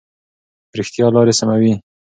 رښتیا لارې سموي.